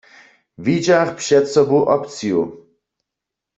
Widźach před sobu opciju.